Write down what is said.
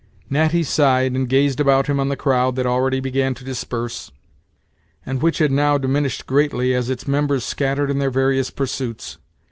Natty sighed, and gazed about him on the crowd, that already began to disperse, and which had now diminished greatly, as its members scattered in their various pursuits.